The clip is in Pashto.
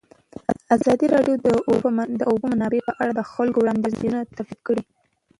ازادي راډیو د د اوبو منابع په اړه د خلکو وړاندیزونه ترتیب کړي.